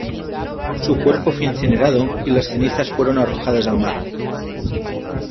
Su cuerpo fue incinerado y las cenizas fueron arrojadas al mar.